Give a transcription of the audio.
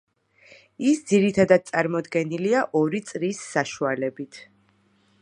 ის ძირითად წარმოდგენილია ორი წრის საშუალებით.